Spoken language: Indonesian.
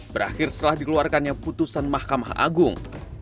berakhir setelah dikeluarkannya putusan mahkamah agung